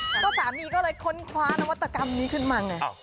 ก็สามีก็เลยค้นคว้านวัตกรรมนี้ขึ้นมาไง